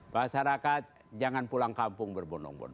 masyarakat jangan pulang kampung berbunung bunung